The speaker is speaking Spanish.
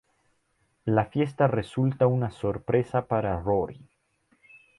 La fiesta resulta una sorpresa para Rory.